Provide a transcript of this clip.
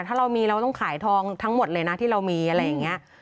ถ้าเรามีเราต้องขายทองทั้งหมดเลยนะที่เรามีอะไรอย่างนี้